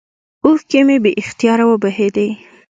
اوښكې مې بې اختياره وبهېدې.